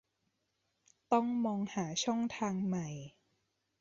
ต้องมองหาช่องทางใหม่